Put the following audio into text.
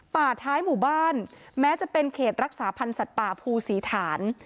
ท้ายหมู่บ้านแม้จะเป็นเขตรักษาพันธ์สัตว์ป่าภูศรีฐาน